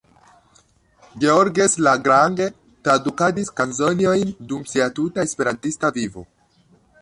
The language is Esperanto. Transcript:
Georges Lagrange tradukadis kanzonojn dum sia tuta Esperantista vivo.